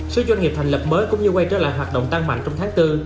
số doanh nghiệp thành lập mới cũng như quay trở lại hoạt động tăng mạnh trong tháng bốn